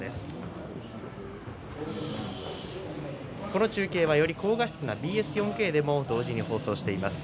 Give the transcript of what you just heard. この中継はより高画質なＢＳ４Ｋでも放送しています。